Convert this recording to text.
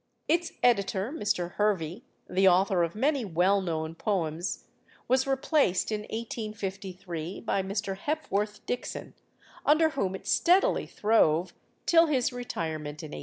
Its editor, Mr. Hervey, the author of many well known poems, was replaced in 1853 by Mr. Hepworth Dixon, under whom it steadily throve, till his retirement in 1871.